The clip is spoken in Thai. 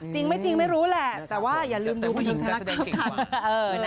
จริงไม่จริงไม่รู้แหละแต่ว่าอย่าลืมดูพวกมันทั้งทั้งทั้ง